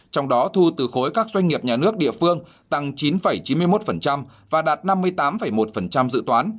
trong đó thu từ khối các doanh nghiệp nhà nước địa phương tăng chín chín mươi một và đạt năm mươi tám một dự toán